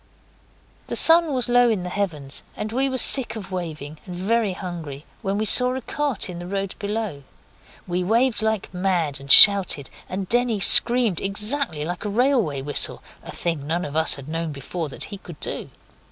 The sun was low in the heavens, and we were sick of waving and very hungry, when we saw a cart in the road below. We waved like mad, and shouted, and Denny screamed exactly like a railway whistle, a thing none of us had known before that he could do.